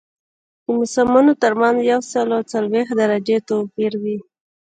د موسمونو ترمنځ یو سل او څلوېښت درجې توپیر وي